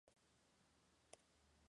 Pertenece al distrito de Triana.